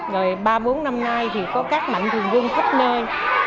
rồi ba bốn năm nay thì có các mạnh thường quân khắp nơi